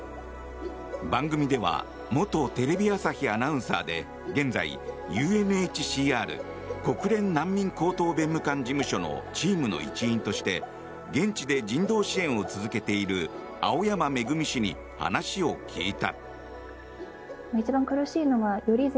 番組では元テレビ朝日アナウンサーで現在、ＵＮＨＣＲ・国連難民高等弁務官事務所のチームの一員として現地で人道支援を続けている青山愛氏に話を聞いた。